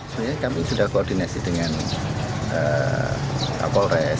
sebenarnya kami sudah koordinasi dengan kapolres